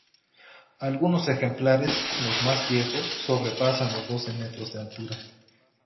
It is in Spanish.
Algunos ejemplares, los más viejos, sobrepasan los doce metros de altura.